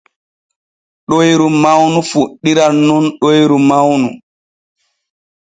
Ɗoyru mawnu fuɗɗiran nun ɗoyru mawnu.